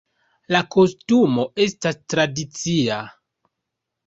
La kostumo estas tradicia.